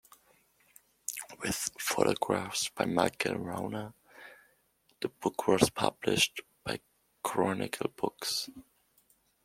With photographs by Michael Rauner, the book was published by Chronicle Books.